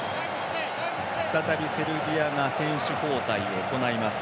再びセルビアが選手交代を行います。